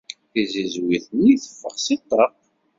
Tizizwit-nni teffeɣ seg ṭṭaq.